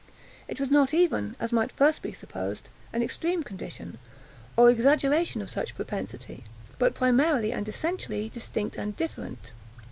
It was not even, as might be at first supposed, an extreme condition, or exaggeration of such propensity, but primarily and essentially distinct and different.